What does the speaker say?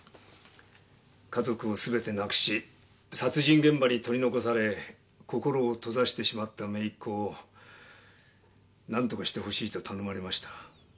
家族をすべて亡くし殺人現場に取り残され心を閉ざしてしまった姪っ子を何とかしてほしいと頼まれました。